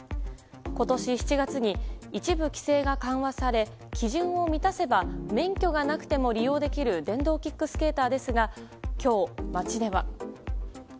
今年７月に一部規制が緩和され基準を満たせば免許がなくても利用できる電動キックスケーターですが今日、街では。